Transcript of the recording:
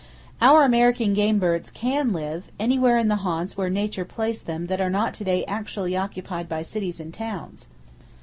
Our American game birds CAN live, anywhere in the haunts where nature placed them that are not to day actually occupied by cities and towns!